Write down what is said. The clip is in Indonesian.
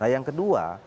nah yang kedua